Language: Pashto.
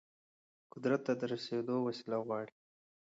قدرت ته د رسیدل وسيله غواړي.